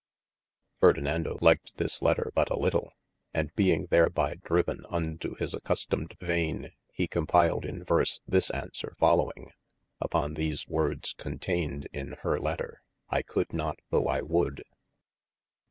\F\erdinando liked this letter but a litle :& being thereby droven into his accustomed vaine, he compiled in verse this aunswere folowing, upon these wordes conteined in her letter, / could not though I would.